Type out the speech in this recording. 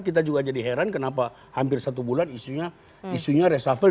kita juga jadi heran kenapa hampir satu bulan isunya reshuffle